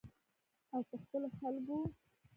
او په خپلو خلکو.